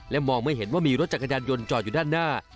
มองไม่เห็นว่ามีรถจักรยานยนต์จอดอยู่ด้านหน้า